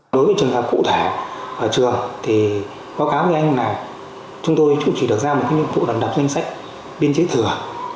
trường khác cụ thể trường thì báo cáo với anh là chúng tôi cũng chỉ được ra một cái nhiệm vụ đầm đập danh sách binh chế thừa